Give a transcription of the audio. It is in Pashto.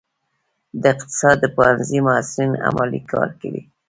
د اقتصاد پوهنځي محصلین عملي کار کوي؟